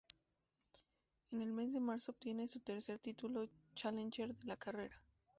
En el mes de marzo obtiene su tercer título challenger de la carrera.